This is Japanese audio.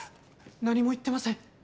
何も言ってません。